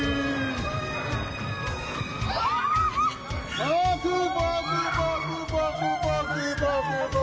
バクバクバクバクバクバクバク！